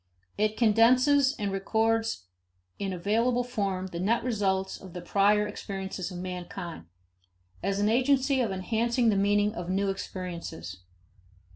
It condenses and records in available form the net results of the prior experiences of mankind, as an agency of enhancing the meaning of new experiences.